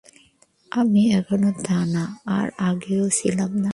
আমি এখনো তা না, আর আগেও ছিলাম না।